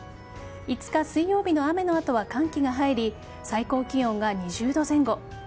５日水曜日の雨の後は寒気が入り最高気温が２０度前後。